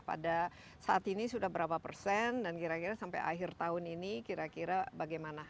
pada saat ini sudah berapa persen dan kira kira sampai akhir tahun ini kira kira bagaimana